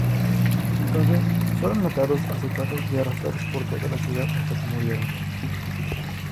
Entonces fueron atados, azotados y arrastrados por toda la ciudad hasta que murieron.